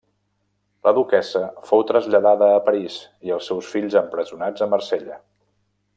La duquessa fou traslladada a París i els seus fills empresonats a Marsella.